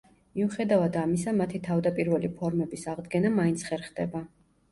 მიუხედავად ამისა, მათი თავდაპირველი ფორმების აღდგენა მაინც ხერხდება.